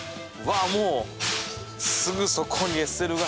もう、すぐそこにＳＬが。